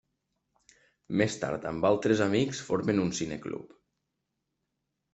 Més tard amb altres amics formen un cineclub.